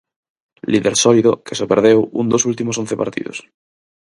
Líder sólido que só perdeu un dos últimos once partidos.